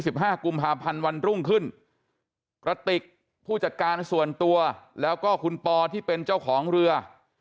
ห้ากุมภาพันธ์วันรุ่งขึ้นกระติกผู้จัดการส่วนตัวแล้วก็คุณปอที่เป็นเจ้าของเรือ